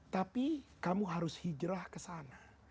tapi kamu harus hijrah ke sana